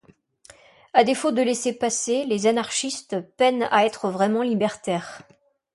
À défaut de laissez-passer, les anarchistes peinent à être vraiment libertaires.